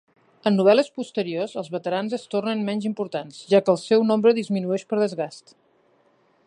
En novel·les posteriors, els veterans es tornen menys importants, ja que el seu nombre disminueix per desgast.